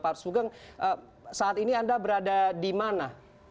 pak sugeng saat ini anda berada di mana